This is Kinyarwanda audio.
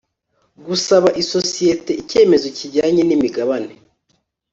gusaba isosiyete icyemezo kijyanye n’imigabane